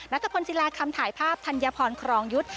พลศิลาคำถ่ายภาพธัญพรครองยุทธ์